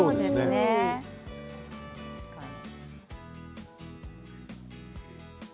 確かに。